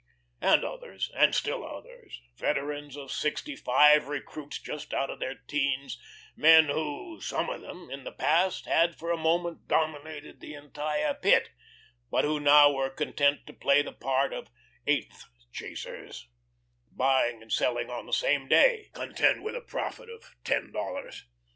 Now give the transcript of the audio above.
And others, and still others, veterans of sixty five, recruits just out of their teens, men who some of them in the past had for a moment dominated the entire Pit, but who now were content to play the part of "eighth chasers," buying and selling on the same day, content with a profit of ten dollars.